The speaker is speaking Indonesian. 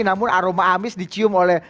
namun aroma amis dicium oleh